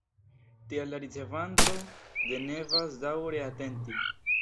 Tial la ricevanto ne devas daŭre atenti.